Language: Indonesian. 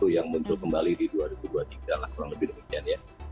dua ribu dua puluh satu yang muncul kembali di dua ribu dua puluh tiga lah kurang lebih demikian ya